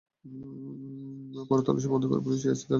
পরে তল্লাশি বন্ধ করে পুলিশ ইয়াছিনকে আটক করে থানায় ফিরে আসে।